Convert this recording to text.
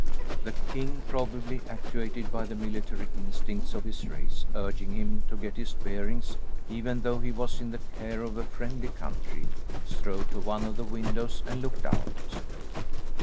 The king, probably actuated by the military instincts of his race urging him to get his bearings, even though he was in the care of a friendly country, strode to one of the windows and looked out.